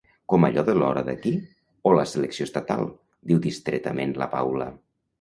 Com allò de l'hora d'aquí, o la selecció estatal –diu distretament la Paula.